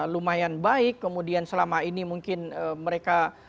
lumayan baik kemudian selama ini mungkin mereka